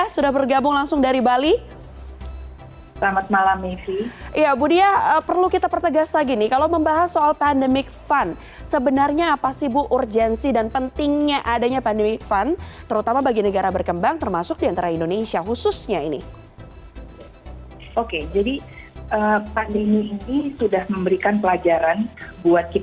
selamat malam budi ya sudah bergabung langsung dari bali